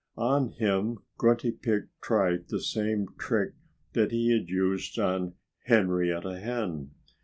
On him Grunty Pig tried the same trick that he had used on Henrietta Hen.